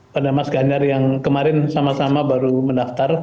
pada mas ganjar yang kemarin sama sama baru mendaftar